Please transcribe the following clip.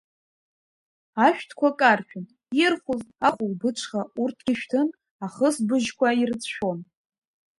Ашәҭқәа каршәын, ирхәыз, ахәылбыҽха, урҭгьы шәҭын, ахысбыжьқәа ирыцәшәон.